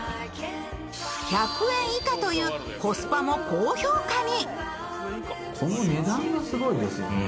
１００円以下というコスパも高評価に。